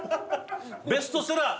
ベストセラー！